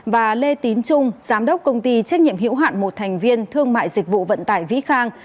và lê tín trung giám đốc công ty trách nhiệm hiểu hạn một thành viên thương mại dịch vụ vận tải vĩ khang